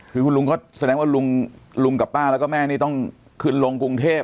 คือคุณลุงก็แสดงว่าลุงกับป้าแล้วก็แม่นี่ต้องขึ้นลงกรุงเทพ